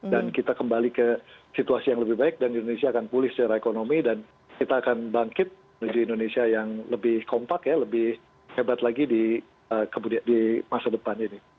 dan kita kembali ke situasi yang lebih baik dan indonesia akan pulih secara ekonomi dan kita akan bangkit menuju indonesia yang lebih kompak ya lebih hebat lagi di eee di masa depan ini